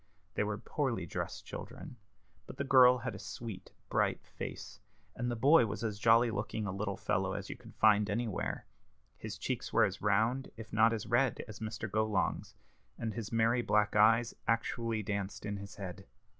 They were poorly dressed children, but the girl had a sweet, bright face, and the boy was as jolly looking a little fellow as you could find anywhere. His cheeks were as round, if not as red, as Mr. Golong's, and his merry black eyes actually danced in his head.